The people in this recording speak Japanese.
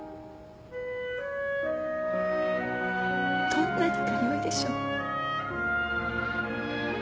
どんなにか良いでしょう。